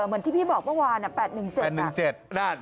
เหมือนที่พี่บอกเมื่อวาน๘๑๗๘